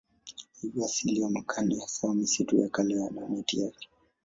Hivyo asili ya makaa ni hasa misitu ya kale na miti yake.